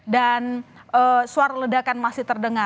dan suara ledakan masih terdengar